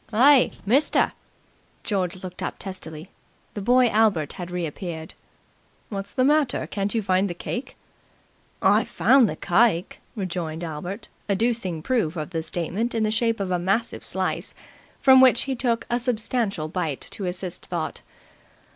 .." "Hey, mister!" George looked up testily. The boy Albert had reappeared. "What's the matter? Can't you find the cake?" "I've found the kike," rejoined Albert, adducing proof of the statement in the shape of a massive slice, from which he took a substantial bite to assist thought.